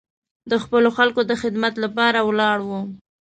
د خپلو خلکو د خدمت لپاره ولاړ و.